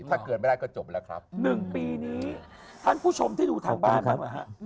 ถ้าเกิดไม่ได้ก็จบแล้วครับ๑ปีนี้ท่านผู้ชมที่ดูทางบ้านนั้นนะฮะ